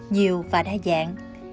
nhiều và đa dạng